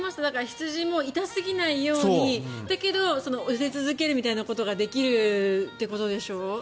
羊も痛すぎないように寄せ続けるということができるということでしょ。